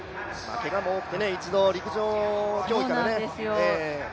けがも多くて、１度陸上競技からもね。